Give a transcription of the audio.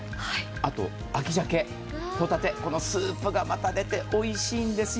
あと秋鮭、ホタテのスープが出ておいしいんですよ。